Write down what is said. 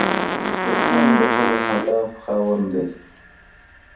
دښمن د تور هدف خاوند وي